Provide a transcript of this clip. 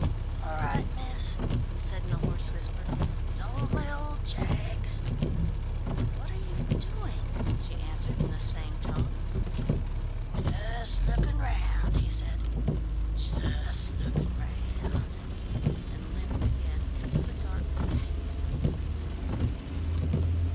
"All right, miss," he said in a hoarse whisper, "it's only old Jaggs." "What are you doing?" she answered in the same tone. "Just lookin' round," he said, "just lookin' round," and limped again into the darkness.